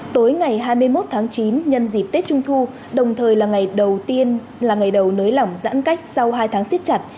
tối ngày hai mươi một tháng chín nhân dịp tết trung thu đồng thời là ngày đầu nới lỏng giãn cách sau hai tháng siết chặt